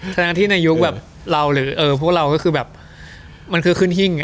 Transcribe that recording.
ทั้งที่ในยุคแบบเราหรือพวกเราก็คือแบบมันคือขึ้นหิ้ง